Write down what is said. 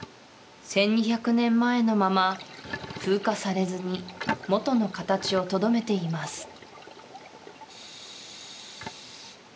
１２００年前のまま風化されずに元の形をとどめています